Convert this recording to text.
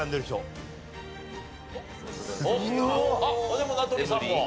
でも名取さんも。